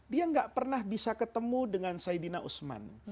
dia tidak pernah bisa ketemu dengan sayyidina usman